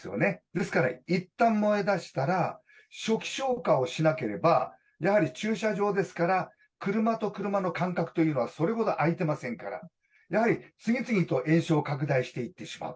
ですからいったん燃え出したら、初期消火をしなければ、やはり駐車場ですから、車と車の間隔というのはそれほど空いてませんから、やはり次々と延焼を拡大していってしまう。